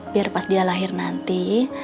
biar pas dia lahir nanti